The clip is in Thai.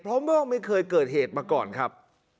เพราะว่าไม่เคยเกิดเหตุมาก่อนครับ